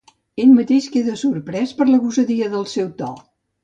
Ell mateix queda sorprès per la gosadia del seu to.